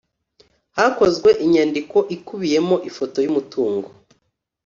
hakozwe inyandiko ikubiyemo ifoto y umutungo